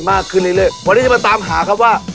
วันนี้จะมาตามหาครับว่า